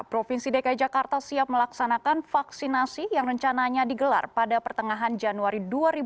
provinsi dki jakarta siap melaksanakan vaksinasi yang rencananya digelar pada pertengahan januari dua ribu dua puluh